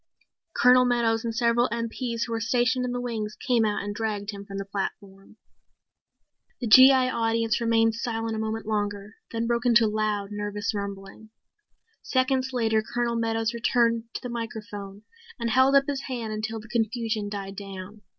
Colonel Meadows and several MPs who were stationed in the wings came out and dragged him from the platform. The G.I. audience remained silent a moment longer, then broke into loud, nervous rumbling. Seconds later Colonel Meadows returned to the microphone and held up his hand until the confusion died down.